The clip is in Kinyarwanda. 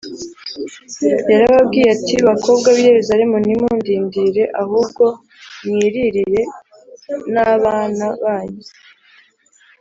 yarababwiye ati, “bakobwa b’i yerusalemu, ntimundirire, ahubwo mwiririre n’abana banyu